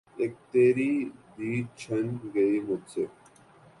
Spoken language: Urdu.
اِک تیری دید چِھن گئی مجھ سے